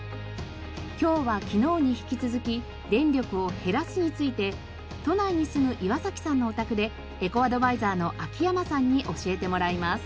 今日は昨日に引き続き電力を「へらす」について都内に住む岩崎さんのお宅でエコアドバイザーの秋山さんに教えてもらいます。